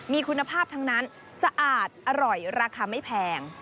มีคุณภาพทั้งนั้นสะอาดอร่อยราคาไม่แพง